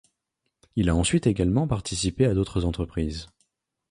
Il a ensuite également participé à d’autres entreprises.